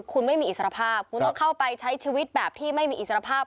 คุณไม่มีอิสรภาพคุณต้องเข้าไปใช้ชีวิตแบบที่ไม่มีอิสรภาพ